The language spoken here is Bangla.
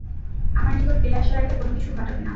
আমার নিকট ফিরে আসার আগে কোন কিছু ঘটাবে না।